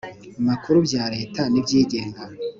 Makuru bya Leta n iby Igenga